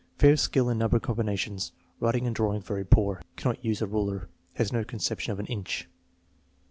Fair skill in number combinations. Writing and drawing very poor. Cannot use a ruler. Has no conception of an inch.